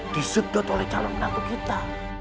disedot oleh calon penanggung kita